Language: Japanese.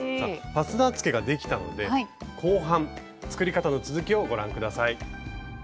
ファスナーつけができたので後半作り方の続きをご覧下さい。